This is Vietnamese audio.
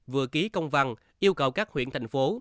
vừa ký công văn yêu cầu các huyện thành phố